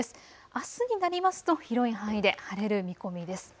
あすになりますと広い範囲で晴れる見込みです。